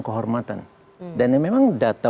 kehormatan dan memang data